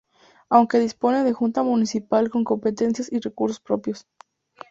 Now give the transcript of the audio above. Aunque dispone de Junta Municipal, con competencias y recursos propios.